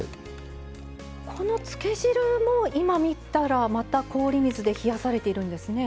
このつけ汁も今見たらまた氷水で冷やされているんですね。